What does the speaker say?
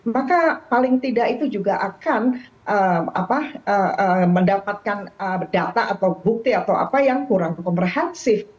maka paling tidak itu juga akan mendapatkan data atau bukti atau apa yang kurang komprehensif